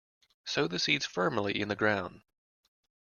Sow the seeds firmly in the ground.